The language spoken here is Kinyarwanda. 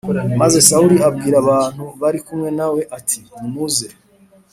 Maze Sawuli abwira abantu bari kumwe na we ati nimuze